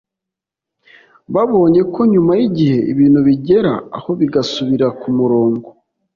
babonye ko nyuma y’igihe ibintu bigera aho bigasubira ku murongo